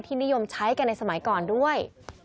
นิยมใช้กันในสมัยก่อนด้วย